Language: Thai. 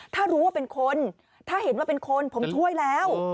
ถ้ารู้ว่าเป็นคนถ้าเห็นว่าเป็นคนผมช่วยแล้ว